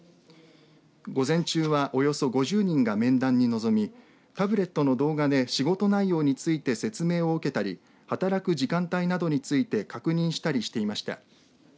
午前中はおよそ５０人が面談にのぞみタブレットの動画で仕事内容について説明を受けたり働く時間帯などについて確認したりしていました。